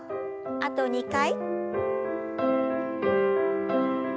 あと２回。